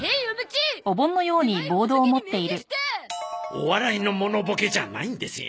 お笑いのものボケじゃないんですよ。